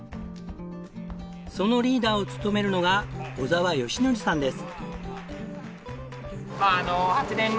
そのリーダーを務めるのが小澤祥記さんです。